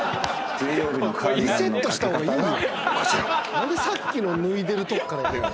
なんでさっきのを脱いでるとこからやるん？